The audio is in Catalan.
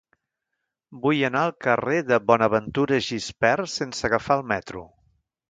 Vull anar al carrer de Bonaventura Gispert sense agafar el metro.